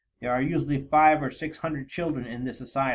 There are usually five or six hundred children in this asylum.